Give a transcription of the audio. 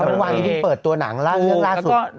แล้ววางที่เปิดตัวหนังล่างเรื่องล่าสุด